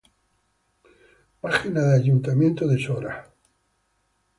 Página del Ayuntamiento de Sora